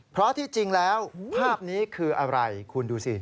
เพราะที่จริงแล้วภาพนี้คืออะไรคุณดูสิ